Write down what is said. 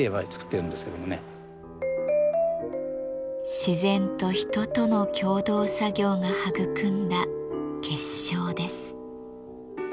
自然と人との共同作業が育んだ結晶です。